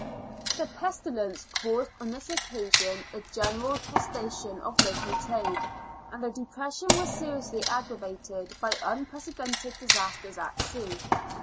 The pestilence caused on this occasion a general prostra tion of local trade, and the depression was seriously aggravated by unprecedented disasters at sea.